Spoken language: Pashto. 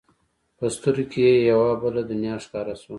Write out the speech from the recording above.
په سترګو کې یې یوه بله دنیا ښکاره شوه.